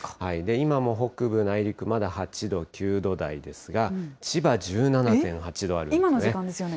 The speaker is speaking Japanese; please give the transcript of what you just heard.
今も北部内陸、まだ８度、９度台ですが、千葉１７．８度あるんですね。